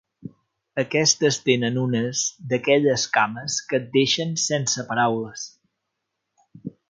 Aquestes tenen unes d'aquelles cames que et deixen sense paraules.